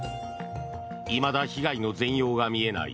いまだ被害の全容が見えない